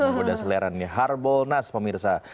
ada selera nih harbolnas pemirsa